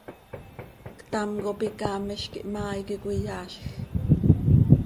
Ctam cop icaamiz quih ihmaa iiqui cöiyaazj.